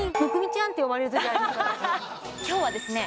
夫に今日はですね